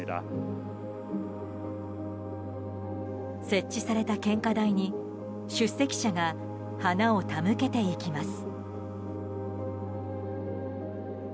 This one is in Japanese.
設置された献花台に出席者が花を手向けていきいます。